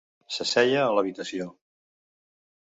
S'asseia a l'habitació.